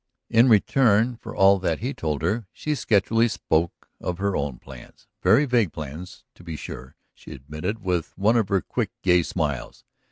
In return for all that he told her she sketchily spoke of her own plans, very vague plans, to be sure, she admitted with one of her quick, gay smiles.